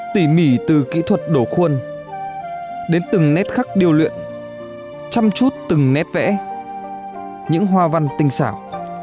tỉ mỉ từ kỹ thuật đổ khuôn đến từng nét khắc điêu luyện chăm chút từng nét vẽ những hoa văn tinh xảo